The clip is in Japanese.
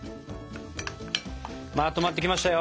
まとまってきましたよ。